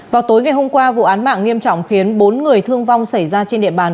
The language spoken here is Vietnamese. vào tối ngày hôm qua vụ án mạng nghiêm trọng khiến bốn người thương vong xảy ra trên địa bàn